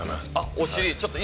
お尻。